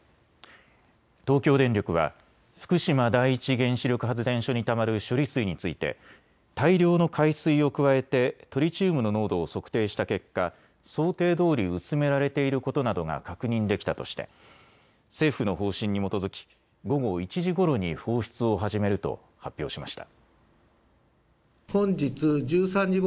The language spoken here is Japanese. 東京電力は福島第一原子力発電所にたまる処理水について大量の海水を加えてトリチウムの濃度を測定した結果、想定どおり薄められていることなどが確認できたとして政府の方針に基づき午後１時ごろに放出を始めると発表しました。